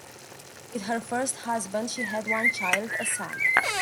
With her first husband she had one child, a son.